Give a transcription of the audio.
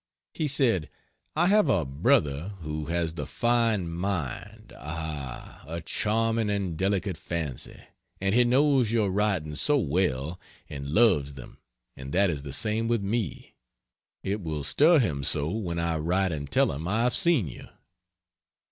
He said: "I have a brother who has the fine mind ah, a charming and delicate fancy, and he knows your writings so well, and loves them and that is the same with me. It will stir him so when I write and tell him I have seen you!"